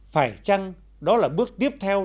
phải chăng đó là bước tiếp theo